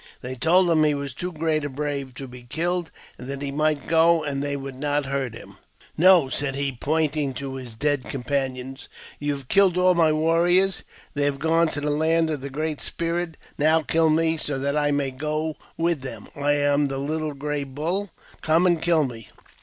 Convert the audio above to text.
They told him he was too great a^ brave to be killed ; that he might go, and they would not hurt him. "'No," said he, pointing to his dead companions; "you! have killed all my warriors ; they have gone to the land of the Great Spirit; now kill me, so that I may go with them. I am the Little Gray Bull ; come and kill me.